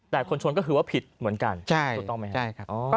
แต่คนชนก็คือว่าผิดเหมือนกันถูกต้องไหมครับ